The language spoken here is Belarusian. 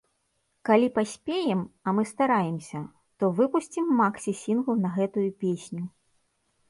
Калі паспеем, а мы стараемся, то выпусцім максі-сінгл на гэтую песню.